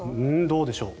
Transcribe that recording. どうでしょう。